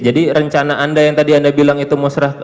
jadi rencana anda yang tadi anda bilang itu mau serah